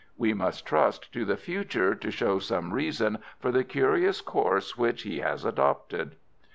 We must trust to the future to show some reason for the curious course which he has adopted."